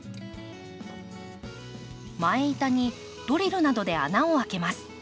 前板にドリルなどで穴を開けます。